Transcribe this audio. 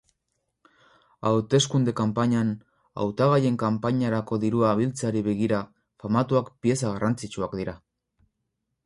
Hauteskunde-kanpainan, hautagaien kanpainarako dirua biltzeari begira, famatuak pieza garrantzitsuak dira.